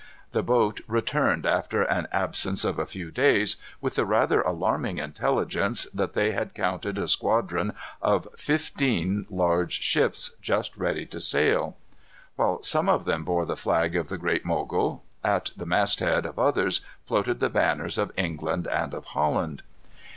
The boat returned after an absence of a few days, with the rather alarming intelligence that they had counted a squadron of fifteen large ships just ready to sail. While some of them bore the flag of the Great Mogul, at the mast head of others floated the banners of England and of Holland.